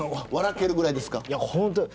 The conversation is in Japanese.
けるぐらいですか。